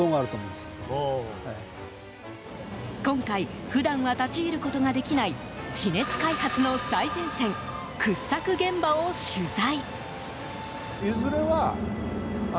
今回、普段は立ち入ることができない地熱開発の最前線掘削現場を取材。